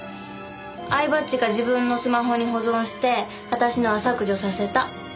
饗庭っちが自分のスマホに保存して私のは削除させた。